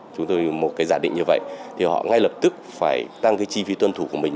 chúng tôi một cái giả định như vậy thì họ ngay lập tức phải tăng cái chi phí tuân thủ của mình